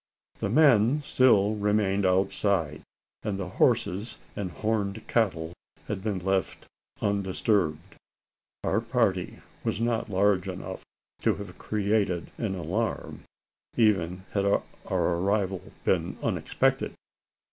The men still remained outside; and the horses and horned cattle had been left undisturbed. Our party was not large enough to have created an alarm even had our arrival been unexpected.